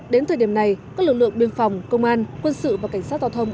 đến thời điểm này các lực lượng biên phòng công an quân sự và cảnh sát giao thông